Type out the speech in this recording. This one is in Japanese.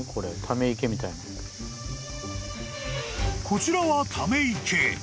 ［こちらはため池］